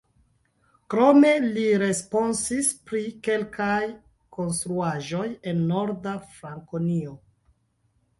Krome li responsis pri kelkaj konstruaĵoj en Norda Frankonio.